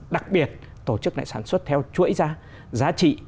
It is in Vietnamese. đặc biệt tổ chức lại sản xuất theo chuỗi giá trị